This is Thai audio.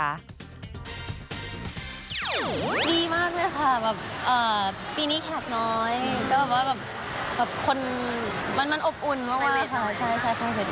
ดีมากเลยค่ะปีนี้แขกน้อยมันอบอุ่นมาก